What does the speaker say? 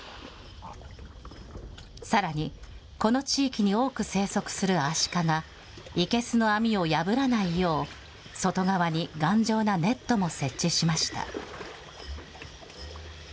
さらに、この地域に多く生息するアシカが生けすの網を破らないよう、外側に頑丈なネットも設置しました。